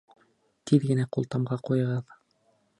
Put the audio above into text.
Тиҙ генә ҡултамға ҡуйығыҙ.